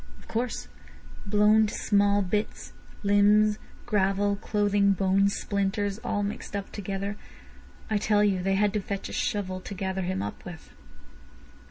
"Of course. Blown to small bits: limbs, gravel, clothing, bones, splinters—all mixed up together. I tell you they had to fetch a shovel to gather him up with."